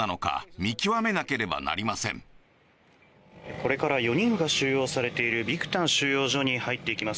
これから４人が収容されているビクタン収容所に入っていきます。